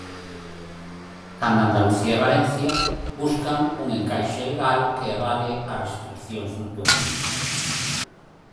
Canda Andalucía e Valencia buscan un encaixe legal que avale as restricións nocturnas.